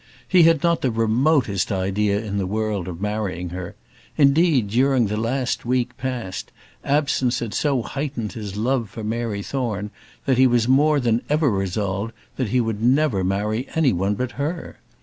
He had not the remotest idea in the world of marrying her; indeed, during the last week past, absence had so heightened his love for Mary Thorne that he was more than ever resolved that he would never marry any one but her.